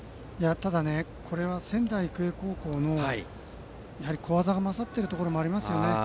ただ、これは仙台育英高校の小技が勝っているところもありますよね。